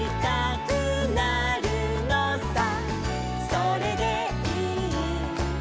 「それでいいんだ」